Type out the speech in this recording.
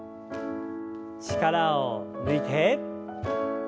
力を抜いて。